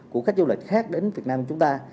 của khách du lịch khác đến việt nam chúng ta